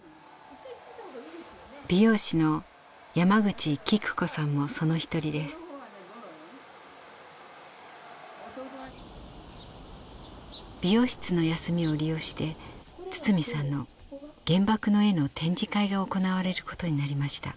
美容室の休みを利用して堤さんの「原爆の絵」の展示会が行われることになりました。